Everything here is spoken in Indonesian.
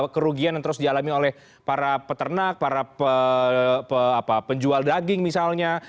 kerugian yang terus dialami oleh para peternak para penjual daging misalnya